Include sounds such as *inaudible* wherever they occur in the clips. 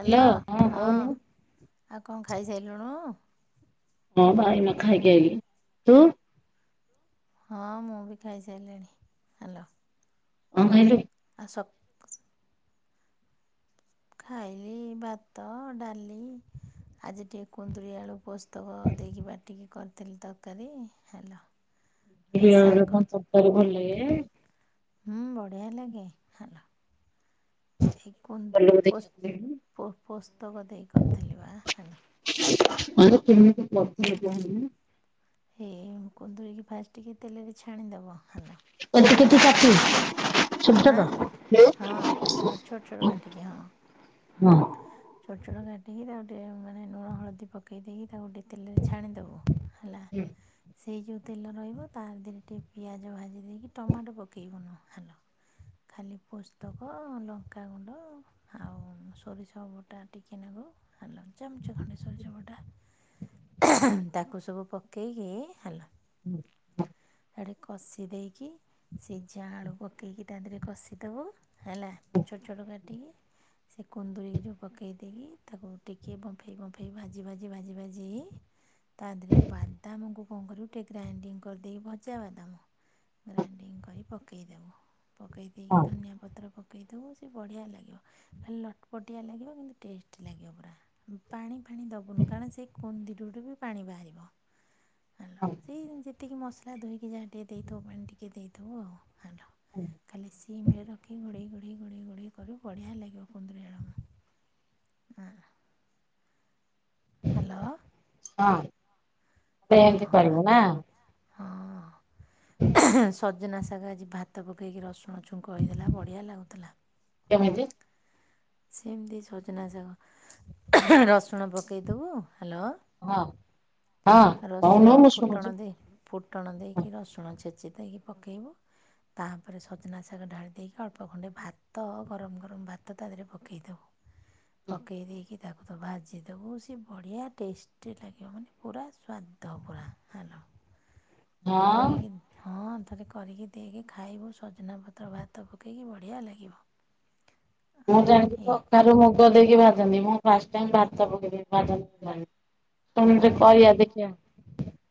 Hello! Hello ହଁ, କହୁନୁ ଆଉ କଣ ଖାଇସାଇଲୁଣୁ? ହଁ ବା, ଏଇନା ଖାଇକି ଆଇଲି, ତୁ? ହଁ, ମୁଁ ବି ଖାଇସାରିଲିଣି। ହାଲୋ! କଣ ଖାଇଲୁ? ଆଉ ସପ୍ ଖାଇଲି ଭାତ ଡାଲି ଆଜି ଟିକେ କୁନ୍ଦୁରି ଆଳୁ ପୋସ ସ୍ତକ ଦେଇକି ବାଟିକି କରିଥିଲି ତରକାରୀ, ହାଲୋ? କୁନ୍ଦୁରି ଆଳୁରେ କଣ ତରକାରି ଭଲ ଲାଗେ? ହୁଁ, ବଢିଆ ଲାଗେ, ହାଲୋ! ହେ କୁ ଗଲୁ ଦେଖିବାକୁ ପୋସ୍ତ କହିଲୁ। ପୋ ପୋସ୍ତକ ଦେଇକି କରିଥିଲି ବା, ହାଲୋ! ହଁ, ଯେ କେମିତି କରିଥିଲୁ କହନୁ? ହେଇ କୁନ୍ଦୁରିକି ଫାଷ୍ଟ ଟିକେ ତେଲରେ ଛାଣିଦେବ, ହାଲୋ! *unintelligible* ହଁ, ହଁ, ଛୋଟ ଛୋଟ ଛୋଟ କାଟିକି, ହଁ। *unintelligible* ଛୋଟ ଛୋଟ କାଟିକି ତାକୁ ଟିକେ ମାନେ ଲୁଣ ହଳଦୀ ପ ପକେଇ ଦେଇକି ତାକୁ ଟିକେ ତେଲରେ ଛାଣିଦବ ହେଲା, ହୁଁ, ସେଇ ଯୋଉ ତେଲ ରହିବ, ତା ଦେହରେ ଟିକେ ପିଆଜ ଭାଜି ଦେଇକି ଟମାଟୋ ପକେଇବୁନୁ, ହାଲୋ! ଖାଲି ପୋସ୍ତକ ଲଙ୍କାଗୁଣ୍ଡ ଆଉ ଷ ସୋରିଷ ବଟା ଟିକିଏ ନାଗୁରୁ, ହାଲୋ ଚାମଚେ ଖଣ୍ଡେ ସୋରିଷ ବଟା ତାକୁ ସବୁ ପକାଇକି, ହାଲୋ! ହୁଁ। ଆଡ଼େ କଷି ଦେଇକି ସିଝା ଆଳୁ ପକେଇକି ତା ଦେହରେ କଷିଦବ। ହେଲା ଛୋଟ ଛୋଟ କାଟିକି। ସେ କୁନ୍ଦୁରିକି ଯୋଉ ପକେଇ ଦେଇକି ତାକୁ ଟିକେ ବମ୍ଫେଇ ବମ୍ଫେଇ ଭାଜି ଭାଜି ଭାଜି ଭାଜି ତା ଧିରେ ବାଦାମକୁ କଣ କରିବୁ, ଟିକେ ଗ୍ରାଇଣ୍ଡିଙ୍ଗ କରିଦେଇକି ଭଜା ବାଦାମ। ଗ୍ରାଇଣ୍ଡିଙ୍ଗ କରି ପକେଇ ଦେବୁ। ପକେଇ ଦେଇକି ହଁ ଧନିଆ ପତ୍ର ପକେଇ ଦେବୁ ସେ ବଢ଼ିଆ ଲାଗିବ ହେଲ ପଟିଆ ଲାଗିବ କିନ୍ତୁ ଟେଷ୍ଟ ଲାଗିବ ପୁରା। ପାଣି ଫାଣି ଦବୁନୁ କାରଣ ସେ କୁନ୍ଦିରୁ ଠୁ ବି ପାଣି ବାହାରିବ। ହ୍ୟାଲୋ ହଁ ସେଇ ଯେତିକି ମସଲା ଧୋଇକି ଯାହା ଟିକେ ଦେଇଥିବୁ, ପାଣି ଟିକେ ଦେଇଥିବୁ ଆଉ ହ୍ୟାଲୋ। *unintelligible* ଖାଲି ସିମ୍ ରଖି ଘୋଡ଼େଇ ଘୋଡ଼େଇ ଘୋଡ଼େଇ ଘୋଡ଼େଇ କରୁ ବଢ଼ିଆ ଲାଗିବ କୁନ୍ଦୁରୁ ଆଳୁ ହଁ। ହ୍ୟାଲୋ। ହଁ ତ ଏମିତି କରିବୁ ନା। ହଁ ସଜନା ଶାଗ ଆଜି ଭାତ ପକେଇକି ରସୁଣ ଛୁଙ୍କ ହେଇଥିଲା ବଢ଼ିଆ ଲାଗୁଥିଲା। କେମିତି? ସେମିତି ସଜନା ଶାଗ ରସୁଣ ପକେଇଦେବୁ ହ୍ୟାଲୋ ହଁ ହଁ ରସୁଣ କହୁନୁ ମୁଁ ଶୁଣୁଛି। ଫୁଟଣ ଦେଇ ଫୁଟଣ ଦେଇକି ହଁ ରସୁଣ ଛେଚି ଦେଇକି ପକେଇବୁ ତାପରେ ସଜନା ଶାଗ ଢାଳି ଦେଇକି ଅଳ୍ପ ଖଣ୍ଡେ ଭାତ ଗରମ ଗରମ ଭାତ ତା ଦେହରେ ପ କେଇ ଦବୁ ପକେଇ ଦେଇ କି ତାକୁ ତ ଭାଜି ଦବୁ ସେ ବଢ଼ିଆ ଟେଷ୍ଟି ଲାଗିବ ମାନେ ପୁରା ସ୍ୱାଦ ପୁରା ହାଲୋ ହଁ କରିକି ହଁ ଥରେ କରିକି ଦେଇକି ଖାଇବୁ ସଜନା ପତ୍ର ଭାତ ପକେଇକି ବଢିଆ ଲାଗିବ। *unintelligible* ମୁଁ ଜାଣିଛିି ଏ କଖାରୁ ମୁଗ ଦେଇକି ଭାଜନ୍ତିି ମୁଁ ଫାଷ୍ଟଟାଇମ୍ ଭାତ ପକେଇକି ଭାଜନ୍ତି ଜାଣି ବଢିଆ ଲାଗିଅ।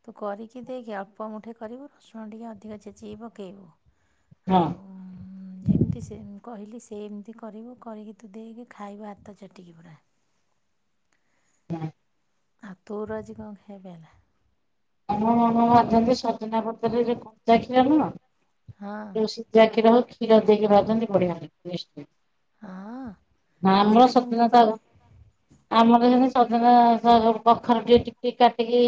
ତୁ କରିକି ଦେଖେ ଅଳ୍ପ ମୁଠେ କରିବୁ ରସୁଣ ଟିକେ ଅଧିକ ଛେଚିକି ପକେଇବୁ ହଁ ଆଉ *inaudible* ଯେମିତି ସେ ମୁଁ କହିଲି ସେ ଏମିତି କରିବୁ କରିକି ତୁ ଦେଇକି ଖାଇବୁ ହାତ ଚାଟିକି ପୁରା। *inaudible* ଆ ତୋର ଆଜି କଣ ଖାଇବା ହେଲା? ଆମ ମାମା ଭାଜନ୍ତି ସଜନା ପତ୍ରରେ ଯୋଉ କଞ୍ଚା କ୍ଷୀର ନୁହଁ? ହଁ ଯୋଉ ସିଜା ହୋଉଚି କ୍ଷୀର ଦେଇକି ଭାଜନ୍ତି ବଢିଆ *unintelligible* ହଁ ହଁ ଆମର ସେଇଟା କେମିତି ସଜନା କରୁ ଶାଗ ଆମର ସେମିତି ସଜନା ଶାଗ କଖାରୁ ଟିଏ ଟିକ୍ ଟିକ୍ କାଟିକି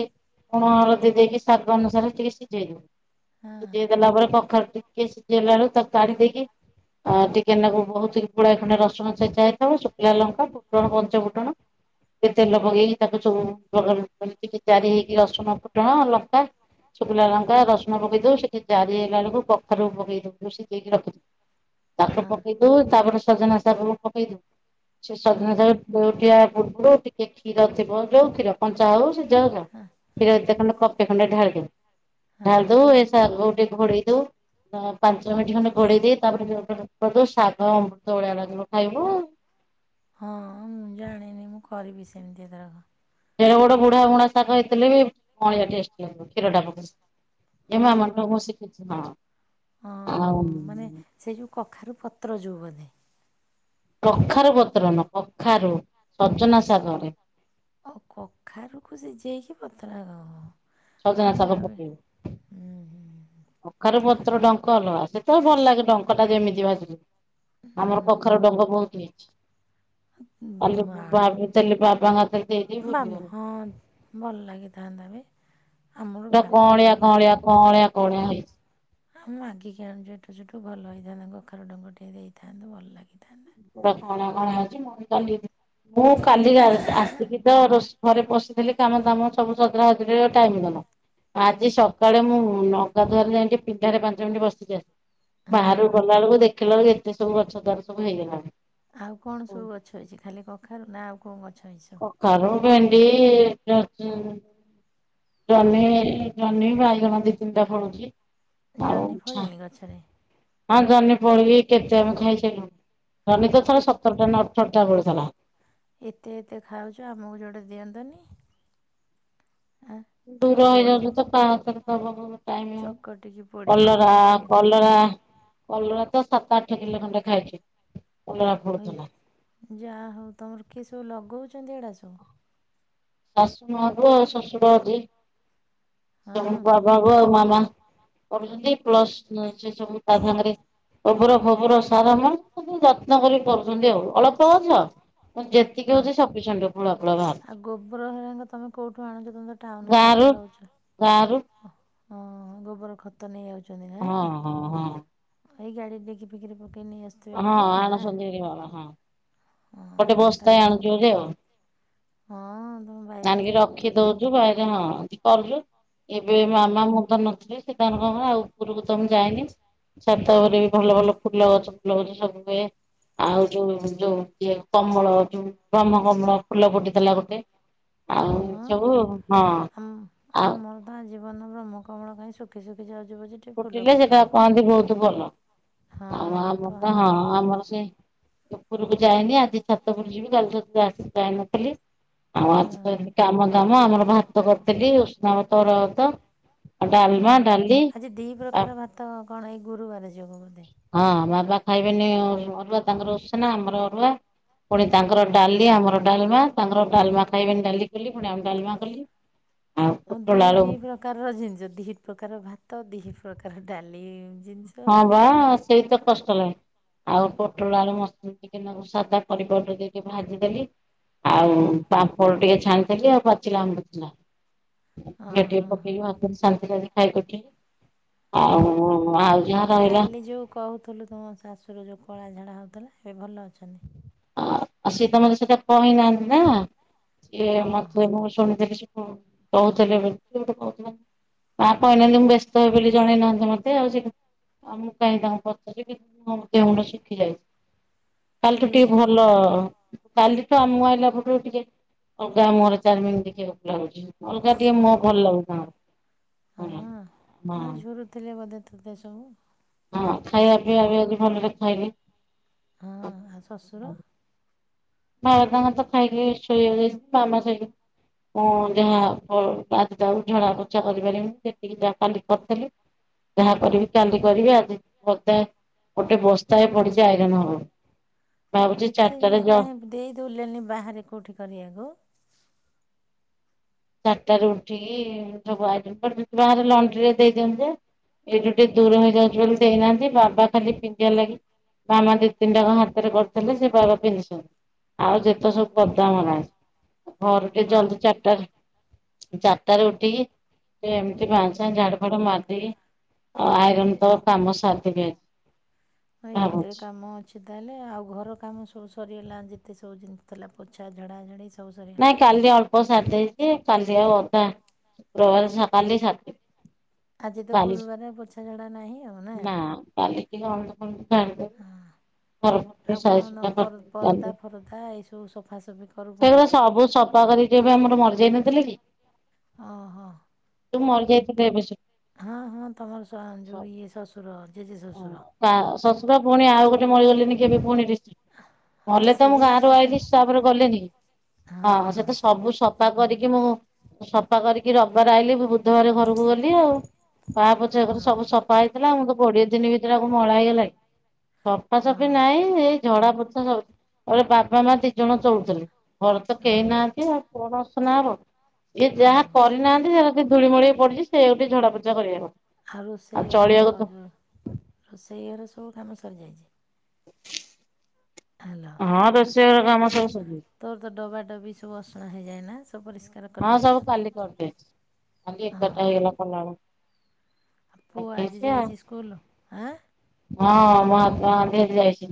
ଲୁଣ ହଳଦୀ ଦେଇକି ସ୍ୱାଦ ଅନୁସାରେ ଟିକେ ସିଝେଇ ଦବୁ ହଁ ସିଝେଇ ଦେଲା ପରେ କଖାରୁ ଟିକେ ସିଜିଲାରୁ ତାକୁ କାଢି ଦେଇକି ଆ ଟିକେ ନାକୁ ବହୁତ ଗୁଡ଼ାଏ ଖଣ୍ଡେ ରସୁଣ ଛେଚା ହେଇଥବ ଶୁଖିଲା ଲଙ୍କା ଫୁଟଣ ପଞ୍ଚ ଫୁଟଣ ଟିକେ ତେଲ ପକେଇକି ତାକୁ ସବୁ ଲଗା ଲଗି କରି ତାକୁ ଟିକେ ଜାରି ହେଇକି କି ରସୁଣ ଫୁଟଣ ଲଙ୍କା ଶୁଖିଲା ଲଙ୍କା ରସୁଣ ପକେଇ ଦବୁ ସେଠି ଜାରି ହେଇଗଲା ବେଳକୁ ପ କଖାରୁ କୁ ପକେଇ ଦବୁ ଶିଝେଇ କି ରଖିଥିବୁ ତାକୁ ହଁ ପକେଇ ବୁ ତାପରେ ସଜନା ଶାଗ କୁ ପକେଇ ଦବୁ ସେ ହଁ ସଜନା ଶାଗରେ ଲେଉଟିବା ପୂର୍ବରୁ ଟିକେ କ୍ଷୀର ଥିବ ଯଉ କ୍ଷୀର କଞ୍ଚା ହଉ ସେ ଯାହା ହେଉ ହଁ ହଁ କ୍ଷୀର ଏତେ ଖଣ୍ଡେ କପେ ଖଣ୍ଡେ ଢାଳିଦବୁ ହଁ ଢାଳି ଦବୁ ଏ ଶାଗକୁ ଟିକେ ଘୋଡେଇ ଦବୁ ଅ ପାଞ୍ଚ ମିନିଟ ଖଣ୍ଡେ ଘୋଡେଇ ଦେଇ ତାପରେ ଶାଗ ଅମୃତଭଳିଆ ଲାଗିବ ଖାଇବୁ। ହଁ ମୁଁ ଜାଣିନି ମୁଁ କରିବି ସେମିତି ଏଥରକ। ଯେଡ଼େ ବଡ଼ ବୁଢା ବୁଣା ଶାଗ ହେଇଥିଲେ ବି ଭଳିଆ ଟେଷ୍ଟ ଲାଗିବ କ୍ଷୀରଟା ପ ଏ ହଁ ମା ମଣ୍ଟ କୁ ବନ ଶିଖିଛି ହଁ ହଁ ଆଉ ହଁ ମାନେ ସେ ଯୋଉ କଖାରୁ ପତ୍ର ଯୋଉ ବୋଧେ କଖାରୁ ପତ୍ର ନୁହ କଖାରୁ ସଜନା ଶାଗରେ ଆଉ କଖାରୁକୁ ସିଝେଇକି ପତ୍ର ଦବୁ। ସଜନା ମୁଁ ଶାଗ ଭାବି ପକେଇବୁ। ହୁଁ ହୁଁ। କଖାରୁ ପତ୍ର ଡଙ୍କ ଅଲଗା ସେତ ଭଲ ଲାଗେ ଡଙ୍କଟା ଯେମିତି ଭାଜିଲେ ହୁଁ ଆମର କଖରୁ ଡଙ୍କ ବୋହୁତ ହେଇଚି। ହୁଁ କାଲି ମା ଭାବିଥିଲି ବାବାଙ୍କ ହାତରେ ଦେଇଦେବି ବା ଭୁଲିଗଲି। ହଁ ଭଲ ଲାଗିଥାନ୍ତା ଏବେ। ପୁରା କଅଁଳିଆ କଅଁଳିଆ କଅଁଳିଆ କଅଁଳିଆ ହେଇଚି। ଆ ମୁଁ ମାଗିକି ଆଣୁଚି ଏଠୁ ସେଠୁ ଭଲ ହେଇଥାନ୍ତା କଖାରୁ ଡଙ୍କ ଟିକେ ଦେଇଥାନ୍ତ ଭଲ ଲାଗିଥାନ୍ତା। ପୁରା କଅଁଳିଆ କଅଁଳିଆ ହେଇଚି ମୁ ବି କାଲିକି ମୁଁ କାଲିକି ଆ ଆସିକି ତ ରୋଷ ଘରେ ପଶିଥିଲି କାମ ଦାମ ସବୁ ସଜଡା ସଜଡ଼ିରେ ଟାଇମି ଗଲା। ଆଜି ସକାଳେ ମୁଁ ନଗାଧୁଆରେ ଯାଇଁ ଟିକେ ପିଣ୍ଢାରେ ପାଞ୍ଚ ମିନିଟ୍ ବସିିକି ଆସି ହଁ ବାହରକୁ ଗଲାବେଳକୁ ଦେଖିଲା ବେଳକୁ ଏତେ ସବୁ ଗଛ ତାର ସବୁ ହେଇଗଲାଣି। ଆଉ କଣ ସବୁ ଗଛ ଅଛି ଖାଲି କଖାରୁ ନା ଆଉ କଣ ଗଛ ହେଇଛି? ସବୁ କଖାରୁ, ଭେଣ୍ଡି, *inaudible* ଜହ୍ନି ଜହ୍ନି ବାଇଗଣ ଦି ତିନିଟା ଫଳୁଚି। ଜହ୍ନି ଫଳେନି ଗଛରେ? ହଁ ଜହ୍ନି ଫଳିକି କେତେ ଆମେ ଖାଇ ସାଇଲୁଣି ଜହ୍ନି ତ ଏ ଥରେ ସତରଟା ନା ଅଠରଟା ଫଳିଥିଲା। ଏତେ ଏତେ ଖାଉଚ ଆମକୁ ଯୋଡେ ଦିଅନ୍ତନି ଆଁ ଟିକେ ଦୂର ପୋଡ଼ି ହେଇଯାଉଚି ତ କା ହାତରେ ଦବାକୁ ଟାଇମ ହୋଉନି ଚକଟିକି ପୋଡ଼ି କଲରା ଚକଟିକି ଟିକେ ଖା କଲରା କଲରା ତ ସାତ ଆଠ କିଲୋ ଖଣ୍ଡେ ଖାଇଛି କଲରା ଫଳୁଥୁଲା। ଯାହୋଉ ତମର କିଏ ସବୁ ଲଗୋଉଚନ୍ତି ଏଡା ସବୁ? ଶାଶୁ ମାଆକୁ ଆଉ ଶଶୁର ଅଛି ତମ ହଁ ବାବାକୁ ଆଉ ମାମା। କରୁଚନ୍ତି ପ୍ଲସ୍ ନେ ସେ ସବୁ ତା ସାଙ୍ଗରେ ଗୋବୁର ଫୋବୁର ସ ସାର ଆମ କିନ୍ତୁ ଯତ୍ନ କରି କରୁଚନ୍ତି ଆଉ ଅଳପ ଗଛ କିନ୍ତୁ ଯେତିକି ହଁ। ହୋଉଚି ସପିସେଣ୍ଟ। ମୂଳ ଫୁଳ ଭା ଆଉ ଗୋବର ହେରାଙ୍କ ତମେ କୋଉଠୁ ଆଣୁଚ ତମେ ତ ଟାଉନ ସହରରେ ଗାଁରୁ ରହୁଚ? ଗାଁରୁ ଅହଁ ଗୋବର ଖତ ନେଇ ଆଉଚନ୍ତି ହଁ ନାଁ। ହଁ ହଁ ଆଉ ଏଇ ଗାଡ଼ି ଡିକି ଫିକିରେ ପକେଇ ନେଇ ଆସ୍ ହଁ ଆଣୁଛନ୍ତି *unintelligible* ହଁ। ଗୋଟେ ହଁ ବସ୍ତାଏ ତାହେଲେ ଆଣୁଚନ୍ତି ଆଉ ହଁ ତମ ବାଇରେ ଆଣିକି ତାହେଲେ ଏତେ ସ- ରଖିଦୋଉ ଚୁ ବାଇଗଣ ହଁ ଏମତି କରୁଚୁ ଏବେ ହଁ। ମାମା ମୁଁ ତ ନଥିଲେ ଯେ ତାଙ୍କ ହଁ ଆଉ ଉପରୁକୁ ତ ମୁଁ ଯାଏନି ଛାତ ଉପରେ ବି ଭଲ ଭଲ ଫୁଲ ଗଛ ଫୁଲ ଗଛ ସବୁ ହୁଏ ଆଉ ଯୋଉ ଯୋଉ ଇଏ କମଳ ଯୋଉ ବ୍ରହ୍ମକମଳ ଫୁଲ ଫୁଟିଥିଲା ଗୋଟେ। ହଁ। ଆଉ ସବୁ ହଁ ଆଉ ହଁ ଆଜି ପର୍ଯ୍ୟନ୍ତ ବ୍ରହ୍ମକମଳ କାଇଁ ଶୁଖି ଶୁଖି ଯାଉଚି ପଛେ ଟିକେ ଫୁଲ ଫୁଟିଲେ ସେଟା ଫୁଟୁନି। କହନ୍ତି ବୋହୁତ ଭଲ ହଁ ଆଉ ଆମର ତ କହନ୍ତି ହଁ ଭଲ ଆମର ସେ ଉପୁରୁକୁ ଯାଏନି ଆଜି ଛାତ ଉପୁରୁକୁ ଯିବି ଗଲେତ *unintelligible* ଯାଇନଥିଲି ଆଉ ହଁ ଆଜି ତ ଏମି କାମ ଦାମ ଆମର ଭାତ କରଥିଲି ଉଷୁନା ଭାତ, ଅରୁଆ ଭାତ ଆଉ ହଁ। ଡାଲମା, ଡାଲି। ଆଜି ଦି ଆ ପ୍ରକାର ଭାତ କଣ ଏଇ ଗୁରୁବାରେ ଯୋଗୁ ବୋଧେ। ହଁ ବାବା ଖାଇବେନି ଅରୁ ଅରୁଆ ତାଙ୍କର ଉସୁନା ଆମର ଅରୁଆ। ପୁଣି ତାଙ୍କର ଡାଲି ଆମର ଡାଲମା ତାଙ୍କର ଡାଲମା ଖାଇବେନି ଡାଲି କଲି ପୁଣି ଆମ ଡାଲମା କଲି। ଆଉ ହଁ ଦି ପୋଟଳ ଆଳୁ ଦି ପ୍ରକାରର ଜିନଷ ଦି ପ୍ରକାର ଭାତ ଦି ପ୍ରକାର ଡାଲି। ହଁ ପା ସେଇ ତ କଷ୍ଟ ଲାଗେ। ଆଉ ପୋଟଳ ଆଳୁ ମସଲା ଟିକେ ନାଗୁ ସାଦା ପରିବା ଗୋଟେ ଦେଇକି ଭାଜିଦେଲି। ଆଉ ପାମ୍ପଡ ଟିକେ ଛାଣିଥିଲି ଆଉ ବାଚିଲା ଆମ୍ୱ ଥିଲା ହଁ ଘିଅ ଟିକେ ହଁ ହଁ ପକେଇକି ଭା ଶାନ୍ତିରେ ଆଜି ଖାଇକି ଉଠିଲି ଆଉ ହଁ ଆଉ ଯାହା ଆଉ ରହିଲା କାଲି ଯୋଉ କହୁଥୁଲୁ ତମ ଶାଶୁର ଯୋଉ କଳା ଝାଡ଼ା ହୋଉଥୁଲା ଏବେ ଭଲ ଅଛନ୍ତି? ଆ ଆଉ ସିଏ ତମର ସେଇଟା କହିନାହାନ୍ତି ନା ସିଏ ହଁ ମତେ ମୁଁ ଶୁଣିଥିଲି ସେ ହୁଁ କୋହୁଥିଲେ ବୋଲି କିଏ ଗୋଟେ କୋହୁଥୁଲା ମା କହିନାହାନ୍ତି ମୁଁ ବ୍ୟସ୍ତ ହେବି ବୋଲି ଜଣେଇନାହାନ୍ତି ମତେ ଆଉ ସେ ତ *unintelligible* କାଲି ଠୁ ଦେହ ଟିକେ ସୁଖୀ ଭଲ କାଲି ତ ଆ ମୁଁ ଆଇଲା ପଟରୁ ଟିକେ ଅଗା ମୋର ଚାରିମିନ ଟିକେ ରହୁଚି ଅଲଗା ଟିକେ ହଁ ମୋ ଭଲ ଲାଗୁ *unintelligible* ହଁ ହଁ ଝୁରୁଥିଲେ ବୋଧେ ତତେ ସବୁ। ହଁ ଖାଇଆ ପିଇବା ବି ଆଜି ଭଲରେ ଖାଇଲି। ହଁ ଆ ଶଶୁର? ବାବା ତାଙ୍କର ତ ଖାଇକି ଶୋଇ ବାକୁ ଯାଇଛି ମାମା *unintelligible* ମୁଁ ଯାହା ଯଉ ମୋ *unintelligible* ଝଡା ପୋଛା କରିପାରିବିନି ସେତିକି ଯାହା କାଲି କରିଥିଲି। ଯାହା କରିବି କାଲି କରିବି ଆଜି ପଦା ଗୋଟେ ବସ୍ତା ଏ ପଡିଚି ଆଇରନ ହବ ଭାବୁଚି ଏତେ ଯାଏଁ ଚାରିଟାରେ ଯଅ କାହିଁ ଦେଇ ଦୋଉଲେନି ବାହାରେ କୋଉଠି କରିବାକୁ। ଚାରିଟାରୁ ଉଠିକି ସବୁ ଆଇରନ ଫାଇରନ ବାହରେ ଲଣ୍ଡ୍ରି ରେ ଦେଇ ଦିଅନ୍ତି ଯେ ଏଇଠୁ ଟିକେ ଦୂର ହେଇଯାଉଛି ବୋଲି ଦେଇନାହାନ୍ତି ବାବା ଖାଲି ପିନ୍ଧିବା ଲାଗି ମାମା ଦି ତିନିଟା ଙ୍କ ହାତରେ କରିଥିଲେ ସେ ବାବା ପିନ୍ଧିଛନ୍ତି। ଆଉ ଯେତେ ସବୁ ପଦାମରା ଘର ଟେ ଆଉ ଜଲଦି ଚାରିଟାରେ ଚାରିଟାରେ ଉଠିକି ଏମିତି ବାଁ ସା ଝାଡୁ ଫାଡୁ ମାରିଦେଇକି ଅ ଆଇରନ୍ ଏ- ତ କାମ ସାରିଦେବି ଆ ଭାବୁଚି। ସେ ତାହେଲେ ଆଉ ଘର କାମ ସବୁ ସରିଗଲା ଯେତେ ସବୁ ଜିନି ଥିଲା ପୋଛା ଝଡ଼ା ଝଡ଼ି ନାଇଁ କାଲି ଅଳ୍ପ ସାରିଦେଇଛି କାଲି ଆଉ ଅଧା ଶୁକ୍ରବାର ସ କାଲି ସାରିଦେବି। ଆଜି ତ କାଲି ଗୁରୁବାରେ ପୋଛାଝଡା ନାହିଁ ଆଉ ନା। ନା କାଲିକି ଅନ୍ଧୁ ଫନ୍ଦୁ ଝଡିଦବୁ ହଁ ଆଉ କଣ ଦ ପର କରିଦେବି ପରଦା ଫରଦା ଏଇସବୁ ସଫାସଫି। କରୁ ପୁଣି ସେଉରା ସବୁ ସଫା କରିଛି ଏବେ ଆମର ମରିଯାଇନଥିଲେ କି? ଓହୋ ଯୋଉ ମାରି ଯାଇଥିଲେ ଏବେ ହଁ ହଁ ତମର ଶ ସ ଯୋଉ ଇଏ ଶ୍ୱଶୁର ଜେଜେ ଶ୍ୱଶୁର ତା ଶଶୁର ପୁଣି ଆଉ ଗୋଟେ ମାରିଗଲେନି କି ଏବେ ପୁଣି ଡି ହଁ ମଲେ ତ ସିଏ ମୁଁ ବି ସେ ଗାଁ ତା ରୁ ତା ଆଇଲି ସାବରେ ଗଲେନି କି? ହଁ ହଁ ସେ ତ ସବୁ ସ ସଫା କରିକି ମୁଁ ସଫା କରିକି ରବିବାର ଆଇଲିି ମୁ ବୁଧବାର ଘରକୁ ଗଲି ଆଉ। ପା ପଛା ପରେ ହଁ ସବୁ ସଫା ହେଇଥିଲା ମୁଁ ତ କୋଡିଏ ଦିନ ଭିତରେ ଆଉ କଣ ମଇଳା ହେଇଗଲା କି? ହଁ ସଫାସଫି ନାଇଁ ଏଇ ଝଡା ପୋଛା ସବ୍ ବାବା ମା ଦି ଜଣ ଚଳୁଥିଲେ। ଘର ତ ହଁ କେହି ନାହାନ୍ତି ଆଉ କଣ ଅସନା ହବ। ଇଏ ହଁ ଯାହା କରିନାହାନ୍ତି ଯଉ ଧୂୁଳି ମଳି ପଡିଛି ସେଇଆକୁ ଟିକେ ଝଡା ପୋଛା କରିବା କଥା। ଆଉ ରୋଷେଇ ଘର ତ ଯ ରୋଷେଇ ଘରେ ସବୁ କାମ ସରିଯାଇଛି। ହ୍ୟାଲୋ ହଁ ରୋଷେଇ ଘର କାମ ସବୁ ସରିଯାଇଛି। *unintelligible* ତୋର ତ ଡବା ଡବି ସବୁ ଅସନା ହେଇଯାଏନା ସବୁ ପରିଷ୍କାର ହଁ କରିଦେଇଛୁ ସବୁ କାଲି କରିଦେଇଛି କାଲି ଏଗାରଟା ହେଇଗଲା କଲାବେଳକୁ। ଆ ପୁଅ ଆଜି କରିଦେଇଛି ଆଉ। ଯାଇଛି ସ୍କୁଲ ଆଁ। ହଁ *unintelligible* ଯାଇଛି।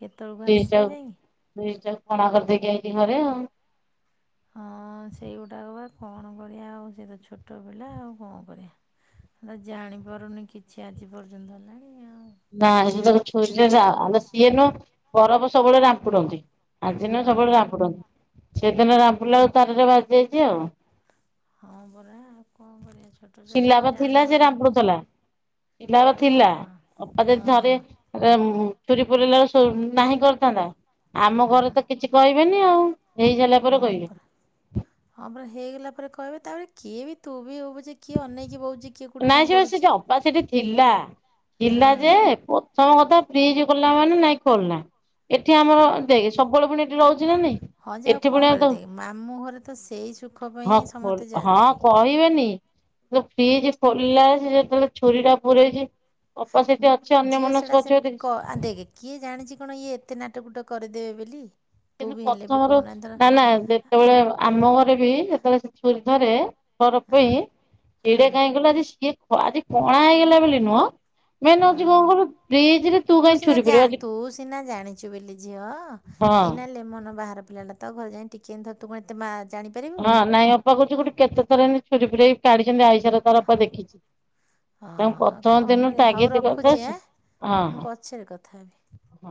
କେତେବେଳକୁ ଆସିବେ ଯାଇକି? ସ୍ୱିଚ ଟାକୁ କଣା କରିଦେଇକି ଆଇଚି ଘରେ ଆଉ। ହଁ ସେଇଗୁଟା କ ବା କଣ କରିବା ଆଉ ସେ ତ ଛୋଟ ପିଲା ଆଉ କ କରିବା। ଜାଣିପାରୁନି କିଛି ଆଜି ପର୍ଯ୍ୟନ୍ତ ହେଲାଣି ଆଉ। *unintelligible* ସେ ସିନା ସିଏ ନୁହ ବରଫ ସବୁବେଳେ ରାମ୍ପୁଡନ୍ତି। ଆଜିିନୁହଁ ହଁ ସବୁବେଳେ ରାମ୍ପୁଡନ୍ତି ସେଦିନ ରାମ୍ପୁଡ଼ିଲା ଆ ତାରରେ ବାଜି ଯାଇଛି ଆଉ। ହଁ ପରା ଆଉ କଣ କରିବା ଛୋଟ ଛୁଆଟା ଶିଲା ସେ ଜାଣିପାରୁନି କିଛି। ପିଲା ଅ ଥିଲା ହଁ ଅପା ହଁ ଯଦି ଥରେ *unintelligible* ଛୁରୀ ପୁରିଲା *unintelligible* ନାହିଁ କରିଥାନ୍ତା। ଆମ ଘରେ ହୁଁ ତ କିଛି କହିବେନି ଆଉ ହେଇସାରିଲା ପରେ ହଁ କହିବେ। ପରା ହଁ ପରା ହେଇଗଲା ପରେ କହିବେ ତାପରେ କିଏ ବି ତୁ ବି ହଉପଛେ କିଏ ଅନେଇକି ବଉଛି କିଏ କେଉଁଠି କ'ଣ ନାଇଁ ସେ ବା କରୁଛି ସେଠି ଅପା ସେଠି ଥିଲା ଥିଲା ଯେ ପ୍ରଥମ କଥା ଫ୍ରିଜ ଖୋଲିଲା ମାନେ ନାଇଁ ଖୋଲନା। ଏଠି ଆମର ହଁ ଦେଖ ସବୁବେଳେ ପୁଣି ଏଠି ରହୁଛି ନା ନାଇଁ। ହଁ ଯେ ଆଉ ଏଠି କଣ ପୁଣି କରିବା ତାକୁ ଦେଖ ମାମୁଁ ଘରେ ତ ସେଇ ସୁଖ ପାଇଁ ସମସ୍ତେ ଯାଆନ୍ତି ଟିକେ। ଯିବେନି ଫ୍ରିଜ ଖୋଲିଲା ସେ ଯେତେବେଳେ ଛୁରୀ ଟା ପୁରଇଛି ଝିଅ ସେଟା ସେମିତି କ ଆ ଦେଖେ କିଏ ଜାଣିଛି କଣ ଇଏ ଏତେ ନାଟକୁଟ କରିଦେବେ ବେଲି। କିନ୍ତୁ ପ୍ରଥମରୁ ନା ନା ଯେତେବେଳେ ଆମ ଘରେ ବି ଯେତେବେଳେ ସେ ଛୁରୀ ଧରେ ଖର ହଁ ପାଇଁ ସେଇଡା ହଁ କାହିଁ କହିଲୁ ଆଜି ସିଏ ଆଜି କଣା ହେଇଗଲା ବୋଲି ନୁହଁ। ମେନ୍ ହଉଚି କଣ ହଁ କହିଲୁ ଫ୍ରିଜ୍ ରେ ତୁ କାଇଁ ସିନା ଛୁୁରି ଜା ପୁରେଇ ତୁ ସିନା ଜାଣିଛୁ ବୋଲି ଝିଅ। ଏଇନା ଲେମନ ବାହାର ପିଲାଟା ତାକୁ ଘରେ ଯାଇ ଟିକେ ଏମିଥ ତୁ କଣ ଏତେ ମା ଜାଣିପାରିବୁ। ହଁ ନାଇଁ ଅପା କହୁଛି ଗୋଟେ କେତେଥରେ ଏମନ୍ତି ଛୁରୀ ଫୁରେଇ କାଢିଛନ୍ତି ଆଇ ତର ତରପ ଦେଖିଛି ହଁ ତାଙ୍କୁ ଆଉ ପ୍ରଥମ କଣ ଦିନ କରିବା ହଉ ତାଗିଦ୍ କରିଦ ରଖୁଛି ଆଁ ହଁ ମୁଁ ହଁ। ପଛରେ କଥା ହେବି। ହଁ।